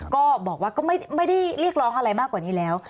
ก็บอกว่าก็ไม่ได้เรียกร้องอะไรมากกว่านี้แล้ว